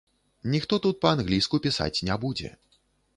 Ніхто тут па-англійску пісаць не будзе.